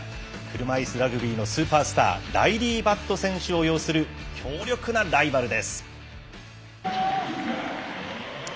車いすラグビーのスーパースターライリー・バット選手を擁する強力なライバルです。